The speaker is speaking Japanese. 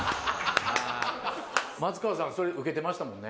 松川さんそれ受けてましたもんね。